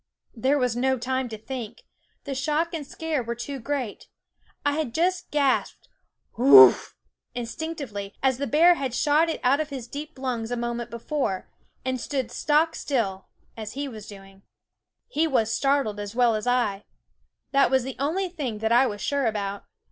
There was no time to think; the shock and scare were too great. I just gasped Hoowuff ! instinctively, as the bear had shot it out of his deep lungs a moment before, and stood stock still, as he was doing. He was startled as well as I. That was the only thing that I was sure about.